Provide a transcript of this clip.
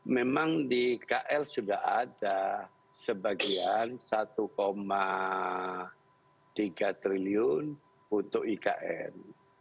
memang di kl sudah ada sebagian rp satu tiga triliun untuk ikn